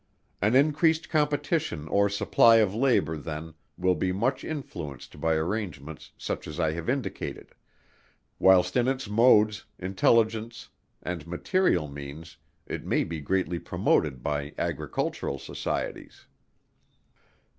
An increased competition or supply of labour then will be much influenced by arrangements such as I have indicated; whilst in its modes, intelligence and material means, it may be greatly promoted by Agricultural Societies.